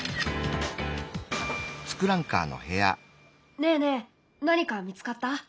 ねえねえ何か見つかった？